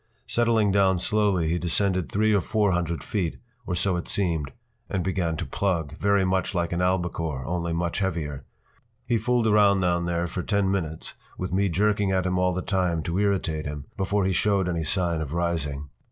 Settling down slowly, he descended three or four hundred feet, or so it seemed, and began to plug, very much like an albacore, only much heavier. He fooled around down there for ten minutes, with me jerking at him all the time to irritate him, before he showed any sign of rising.